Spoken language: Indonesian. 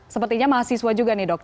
sepertinya mahasiswa juga nih dok